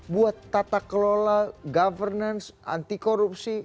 buat tata kelola governance anti korupsi